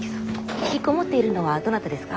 ひきこもっているのはどなたですか？